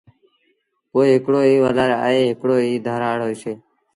پوء هڪڙو ئيٚ ولر ائيٚݩٚ هڪڙو ئيٚ ڌرآڙ هوئيٚسي۔